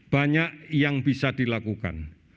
banyak yang bisa dilakukan